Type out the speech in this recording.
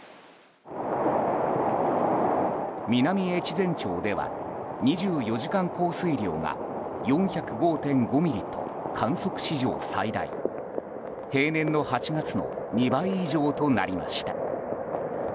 南越前町では２４時間降水量が４０５．５ミリと観測史上最大平年の８月の２倍以上となりました。